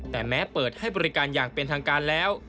แต่แม้เปิดให้บริการอย่างเป็นทางการแล้ว